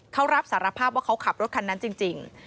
เขารับสารภาพว่าเขาขับรถคันนั้นจริง